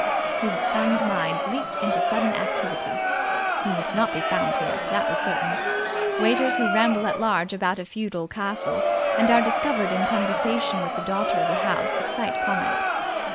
His stunned mind leaped into sudden activity. He must not be found here, that was certain. Waiters who ramble at large about a feudal castle and are discovered in conversation with the daughter of the house excite comment.